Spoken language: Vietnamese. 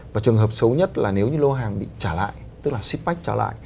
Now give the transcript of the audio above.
và trường hợp xấu nhất là nếu như lô hàng bị trả lại tức là ship back trả lại